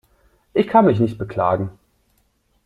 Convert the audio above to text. Ich kann mich nicht beklagen.